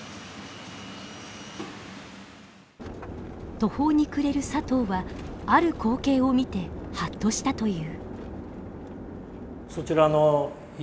途方に暮れる佐藤はある光景を見てはっとしたという。